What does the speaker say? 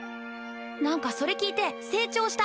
何かそれ聞いて成長した